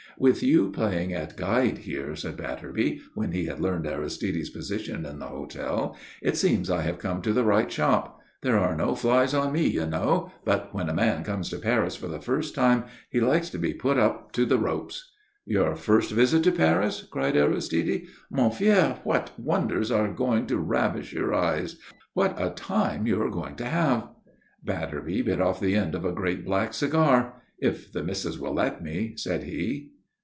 "With you playing at guide here," said Batterby, when he had learned Aristide's position in the hotel, "it seems I have come to the right shop. There are no flies on me, you know, but when a man comes to Paris for the first time he likes to be put up to the ropes." "Your first visit to Paris?" cried Aristide. "Mon vieux, what wonders are going to ravish your eyes! What a time you are going to have!" Batterby bit off the end of a great black cigar. "If the missus will let me," said he.